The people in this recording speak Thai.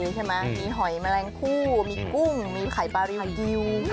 อันนี้เป็นทะเลใช่ไหมมีหอยแมลงคู่มีกุ้งมีไข่ปลาริวดิว